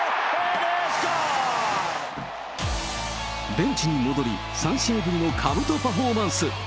ベンチに戻り、３試合ぶりのかぶとパフォーマンス。